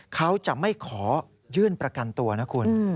เขาจะไม่ขอยื่นประกันตัวนะคุณ